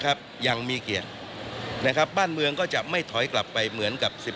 กรณีนี้ทางด้านของประธานกรกฎาได้ออกมาพูดแล้ว